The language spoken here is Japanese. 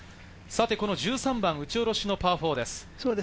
この１３番、打ち下ろしのパー４です。